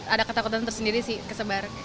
ada ketakutan tersendiri sih kesebar